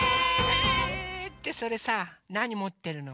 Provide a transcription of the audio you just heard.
ってそれさなにもってるの？